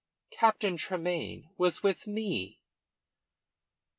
Captain Tremayne was with me."